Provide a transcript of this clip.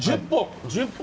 １０本？